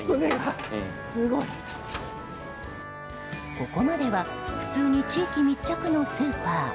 ここまでは、普通に地域密着のスーパー。